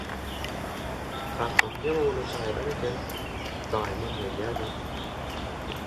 Kakam ýaňy öňüne çaý alan eken, daýymam gelýär-de